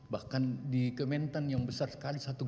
bahkan di kementan yang besar sekali satu